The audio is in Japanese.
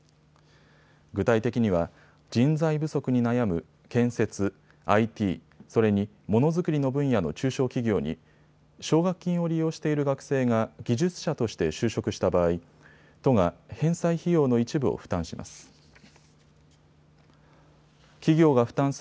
具体的には人材不足に悩む建設、ＩＴ、それにものづくりの分野の中小企業に奨学金を利用している学生が技術者として就職した場合、都が返済費用の一部を負担します。